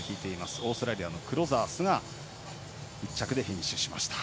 オーストラリアのクロザースが１着でフィニッシュしました。